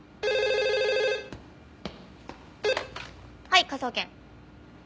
はい科捜研。